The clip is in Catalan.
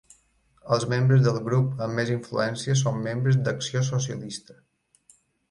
Els membres del grup amb més influència són membres d'Acció Socialista.